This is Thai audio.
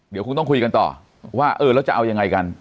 เดี๋ยวคงต้องคุยกันต่อว่าเออแล้วจะเอายังไงกัน